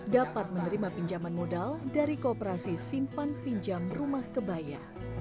dapat menerima pinjaman modal dari kooperasi simpan pinjam rumah kebaya